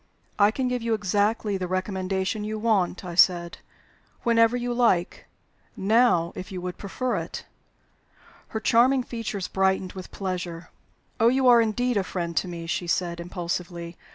"I can give you exactly the recommendation you want," I said, "whenever you like. Now, if you would prefer it." Her charming features brightened with pleasure. "Oh, you are indeed a friend to me!" she said, impulsively.